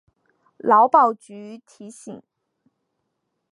劳保局提醒